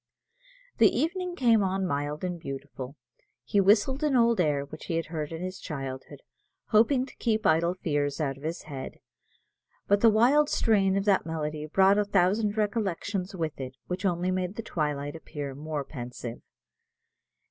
The evening came on mild and beautiful. He whistled an old air which he had heard in his childhood, hoping to keep idle fears out of his head; but the wild strain of that melody brought a thousand recollections with it, which only made the twilight appear more pensive.